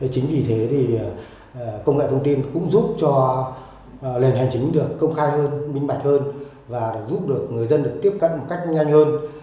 chính vì thế thì công nghệ thông tin cũng giúp cho nền hành chính được công khai hơn minh bạch hơn và giúp được người dân được tiếp cận một cách nhanh hơn